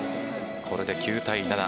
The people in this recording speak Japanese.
これで９対７。